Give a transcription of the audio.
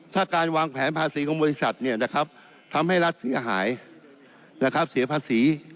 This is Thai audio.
ถ้าการวางแผนภาษีของบริษัททำให้รัฐเสียหายนะครับเสียภาษี